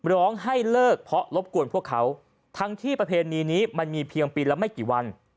ร้องให้เลิกเพราะรบกวนพวกเขาทั้งที่ประเพณีนี้มันมีเพียงปีละไม่กี่วัน